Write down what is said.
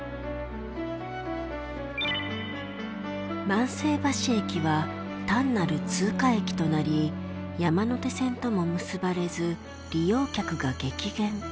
万世橋駅は単なる通過駅となり山手線とも結ばれず利用客が激減。